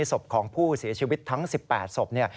ศพของผู้เสียชีวิตทั้งสิบแปดศพ